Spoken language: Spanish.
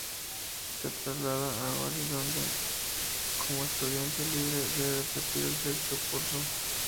Se traslada a Győr, donde como estudiante libre debe repetir el sexto curso.